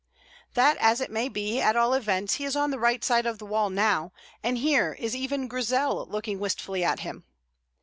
That as it may be, at all events he is on the right side of the wall now, and here is even Grizel looking wistfully at him.